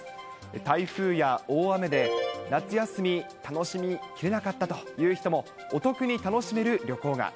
台風や大雨で、夏休み、楽しみきれなかったという人も、お得に楽しめる旅行が。